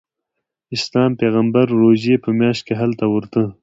اسلام پیغمبر روژې په میاشت کې هلته ورته.